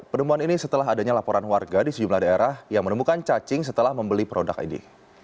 penemuan ini setelah adanya laporan warga di sejumlah daerah yang menemukan cacing setelah membeli produk ini